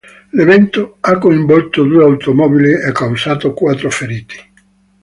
L'evento ha coinvolto due automobili e causato quattro feriti.